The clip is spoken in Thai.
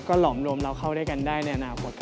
หลอมลมเราเข้าด้วยกันได้ในอนาคต